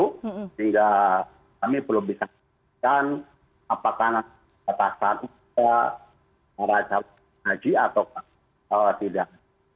sehingga kami belum bisa mengatakan apakah kita akan mencapai ibadah haji atau tidak